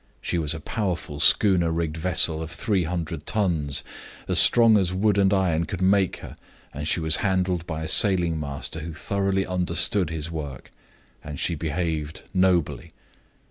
She was a powerful schooner rigged vessel of three hundred tons, as strong as wood and iron could make her; she was handled by a sailing master who thoroughly understood his work, and she behaved nobly.